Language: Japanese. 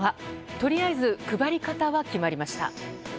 とりあえず配り方は決まりました。